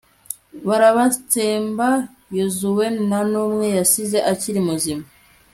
barabatsemba. yozuwe nta n'umwe yasize akiri muzima